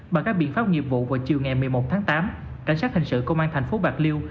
bằng các biện pháp nghiệp vụ vào chiều ngày một mươi một tháng tám cảnh sát hình sự công an thành phố bạc liêu